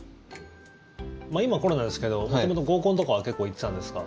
今はコロナですけど元々、合コンとかは結構行ってたんですか？